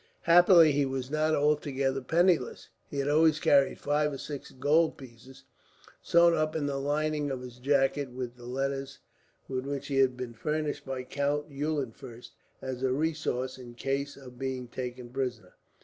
Happily, he was not altogether penniless. He had always carried five or six gold pieces, sewn up in the lining of his jacket with the letters with which he had been furnished by Count Eulenfurst, as a resource in case of being taken prisoner.